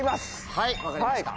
はい分かりました。